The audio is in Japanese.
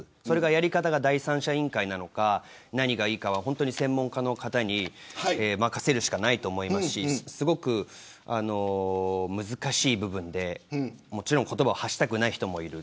やり方が第三者委員会なのか何がいいかは専門家の方に任せるしかないと思いますしすごく難しい部分でもちろん言葉を発したくない人もいる。